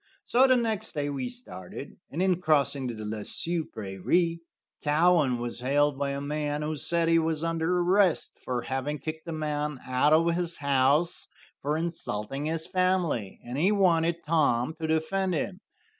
So the next day we started, and in crossing the Le Sueur prairie, Cowan was hailed by a man who said he was under arrest for having kicked a man out of his house for insulting his family, and he wanted Tom to defend him.